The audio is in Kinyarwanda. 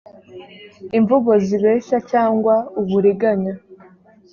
imvugo zibeshya cyangwa uburiganya